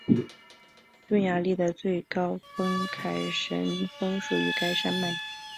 匈牙利的最高峰凯凯什峰属于该山脉。